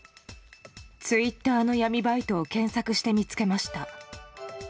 ツイッターの闇バイトを検索して見つけました。